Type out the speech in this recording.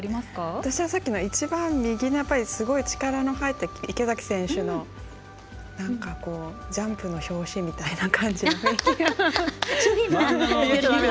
私は一番右の力の入った池崎選手の「ジャンプ」の表紙みたいな感じが。